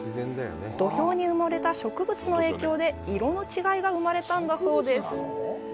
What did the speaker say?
土俵に埋もれた植物の影響で色の違いが生まれたんだそうです。